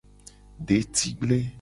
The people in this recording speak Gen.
Detigble.